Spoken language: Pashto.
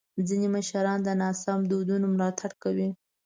ځینې مشران د ناسم دودونو ملاتړ کوي.